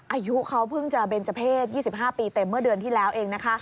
อายุเขาเพิ่งจะเบนเจอร์เพศ๒๕ปีเต็มเมื่อเดือนที่แล้วเองนะคะ